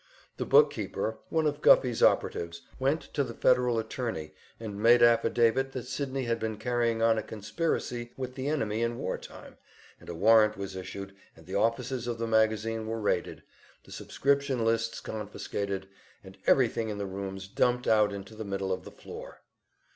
The book keeper, one of Guffey's operatives, went to the Federal attorney and made affidavit that Sydney had been carrying on a conspiracy with the enemy in war time, and a warrant was issued, and the offices of the magazine were raided, the subscription lists confiscated, and everything in the rooms dumped out into the middle of the floor.